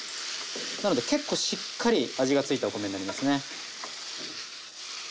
なので結構しっかり味がついたお米になりますね。